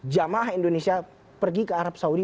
jamaah indonesia pergi ke arab saudi